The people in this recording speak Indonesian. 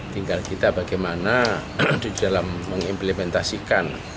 tinggal kita bagaimana di dalam mengimplementasikan